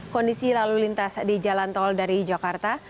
kondisi lalu lintas di jalan tol dari jakarta